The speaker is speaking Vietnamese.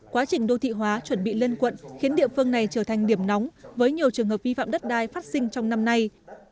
quá trình đô thị hóa chuẩn bị lên quận khiến địa phương này trở thành điểm nóng với nhiều trường hợp vi phạm đất đai phát sinh trong năm nay